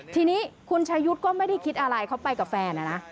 ทีนี้คุณชายุทธ์ก็ไม่ได้คิดอะไรเขาไปกับแฟนนะนะ